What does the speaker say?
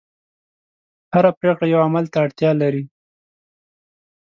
هره پرېکړه یوه عمل ته اړتیا لري.